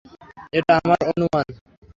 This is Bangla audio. এটা আমার অনুমান।